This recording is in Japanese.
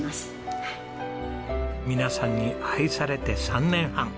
皆さんに愛されて３年半。